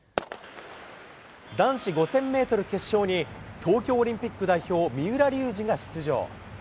男子５０００メートル決勝に東京オリンピック代表、三浦龍司が出場。